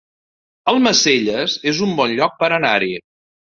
Almacelles es un bon lloc per anar-hi